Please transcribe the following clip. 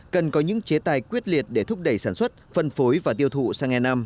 cần có những chế tài quyết liệt để thúc đẩy sản xuất phân phối và tiêu thụ sang e năm